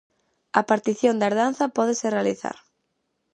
A partición da herdanza pódese realizar